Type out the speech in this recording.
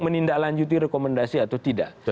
menindaklanjuti rekomendasi atau tidak